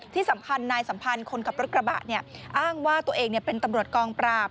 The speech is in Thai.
ที่สำคัญนายสัมพันธ์คนขับรถกระบะอ้างว่าตัวเองเป็นตำรวจกองปราบ